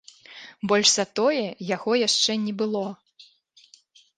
Больш за тое, яго яшчэ не было.